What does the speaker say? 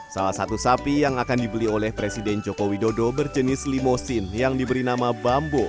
salah satu sapi yang akan dibeli oleh presiden joko widodo berjenis limosin yang diberi nama bambu